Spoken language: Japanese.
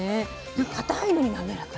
なんか固いのに滑らか。